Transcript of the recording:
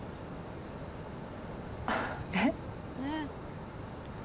「えっ？」